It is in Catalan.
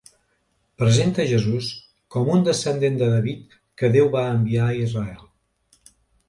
Presenta Jesús com un descendent de David que Déu va enviar a Israel.